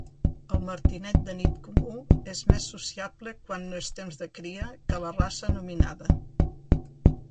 El martinet de nit comú és més sociable quan no és temps de cria que la raça nominada.